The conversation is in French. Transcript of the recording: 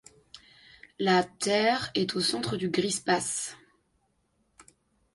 La Tærre est au centre du Grispace.